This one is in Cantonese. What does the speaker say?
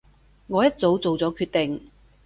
我一早做咗決定